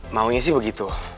maunya sih begitu